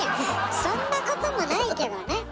そんなこともないけどね？